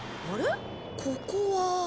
ここは。